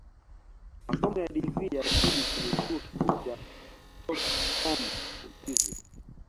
Masomo ya digrii ya pili kwenye Chuo Kikuu cha Stockholm Uswizi